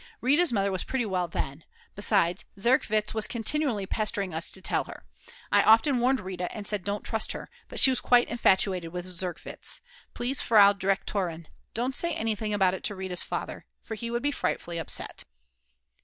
Rita's mother was pretty well then. Besides, Zerkwitz was continually pestering us to tell her. I often warned Rita, and said: 'Don't trust her,' but she was quite infatuated with Zerkwitz. Please, Frau Direktorin, don't say anything about it to Rita's father, for he would be frightfully upset."